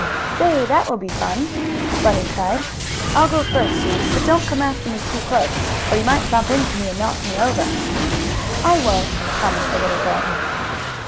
"Say, that will be fun," Bunny cried. "I'll go first, Sue, but don't come after me too close, or you might bump into me and knock me over." "I won't," promised the little girl.